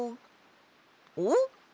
おっ！